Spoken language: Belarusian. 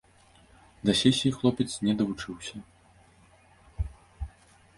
Да сесіі хлопец не давучыўся.